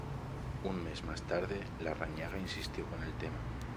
Un mes más tarde, Larrañaga insistió con el tema.